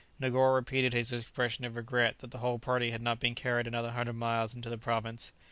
Negoro repeated his expression of regret that the whole party had not been carried another hundred miles into the province.